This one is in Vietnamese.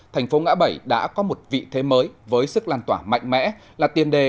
thành phố ngã bảy đã có một vị thế mới với sức lan tỏa mạnh mẽ là tiền đề